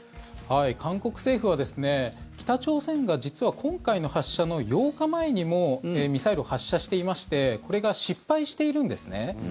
韓国政府は、北朝鮮が実は今回の発射の８日前にもミサイルを発射していましてこれが失敗しているんですね。